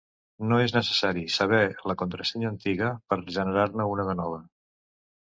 No és necessari saber la contrasenya antiga per generar-ne una de nova.